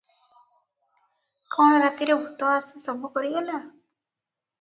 କଣ ରାତିରେ ଭୁତ ଆସି ସବୁ କରିଗଲା?